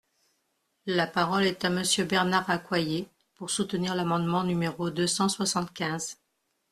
La parole est à Monsieur Bernard Accoyer, pour soutenir l’amendement numéro deux cent soixante-quinze.